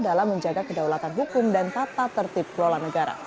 dalam menjaga kedaulatan hukum dan tata tertib kelola negara